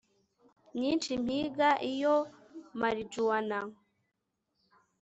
myinshi mpinga iyo marijuwana